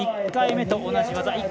１回目と同じ技。